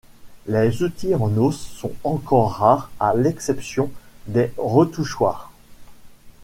Les outils en os sont encore rares à l'exception des retouchoirs.